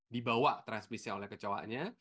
dibawa transmisinya oleh kecoaknya